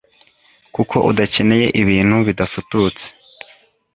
kuko udakeneye ibintu bidafututse